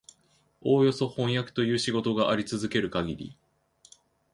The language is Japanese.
およそ飜訳という仕事があり続けるかぎり、